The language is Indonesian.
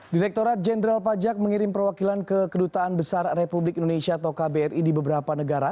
direkturat jenderal pajak mengirim perwakilan ke kedutaan besar republik indonesia atau kbri di beberapa negara